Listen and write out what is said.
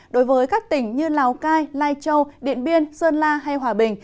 đối với các tỉnh như lào cai lai châu điện biên sơn la hay hòa bình